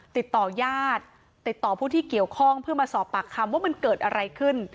ติดต่อญาติติดต่อผู้ที่เกี่ยวข้องเพื่อมาสอบปากคำว่ามันเกิดอะไรขึ้น